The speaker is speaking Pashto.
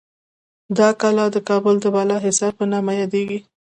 دا کلا د کابل د بالاحصار په نامه یادیږي.